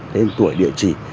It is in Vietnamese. tên tuổi địa chỉ